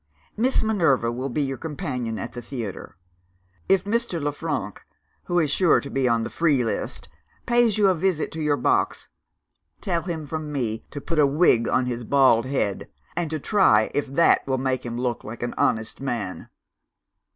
Miss Minerva will be your companion at the theatre. If Mr. Le Frank (who is sure to be on the free list) pays you a visit in your box, tell him from me to put a wig on his bald head, and to try if that will make him look like an honest man!